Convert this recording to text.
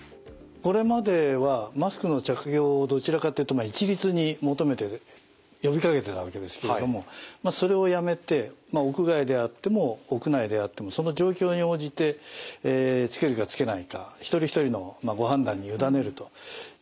これまではマスクの着用をどちらかというと一律に求めて呼びかけてたわけですけれどもそれをやめて屋外であっても屋内であってもその状況に応じてつけるかつけないか一人一人のご判断に委ねるということになります。